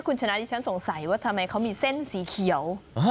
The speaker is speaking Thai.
คุณชนะที่ฉันสงสัยว่าทำไมเขามีเส้นสีเขียว